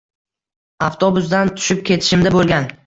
Aftobusdan tushib ketishimda bo'lgan